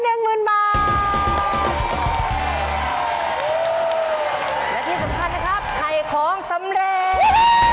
และที่สำคัญนะครับไข่ของสำเร็จ